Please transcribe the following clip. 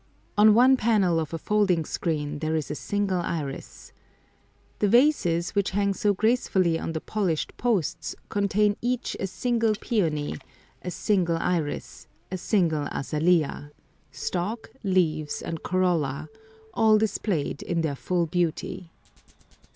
On one panel of a folding screen there is a single iris. The vases which hang so gracefully on the polished posts contain each a single peony, a single iris, a single azalea, stalk, leaves, and corolla—all displayed in their full beauty.